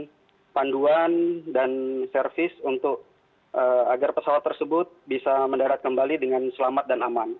dan kami juga memberikan penduan dan servis untuk agar pesawat tersebut bisa mendarat kembali dengan selamat dan aman